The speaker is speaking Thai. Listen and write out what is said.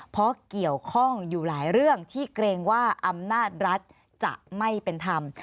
เพราะเกี่ยวข้องอยู่หลายเรื่องที่เกรงว่าอำนาจรัฐจะไม่เป็นธรรม